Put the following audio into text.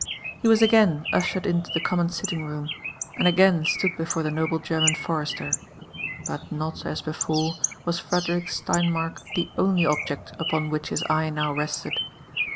He was again, ushered into the common sitting room, and again stood before the noble German forester ; but not, as before, was Frederick Steinmark the only object upon which his eye now rested.